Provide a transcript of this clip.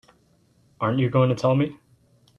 Aren't you going to tell me?